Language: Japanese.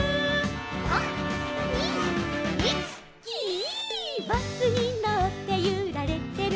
「３・２・１」「ギィ」「バスにのってゆられてる」